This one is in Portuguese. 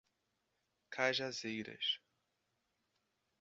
Cajazeiras